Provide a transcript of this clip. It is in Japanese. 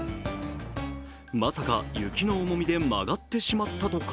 まさか雪の重みで曲がってしまったとか？